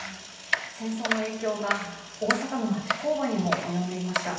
戦争の影響が大阪の町工場にも及んでいました。